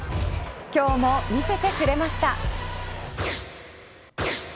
今日も見せてくれました。